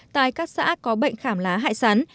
tại các xã có bệnh khảm lá hại sắn